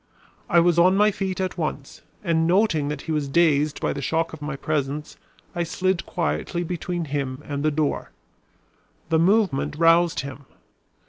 I was on my feet at once, and noting that he was dazed by the shock of my presence, I slid quietly between him and the door. The movement roused him.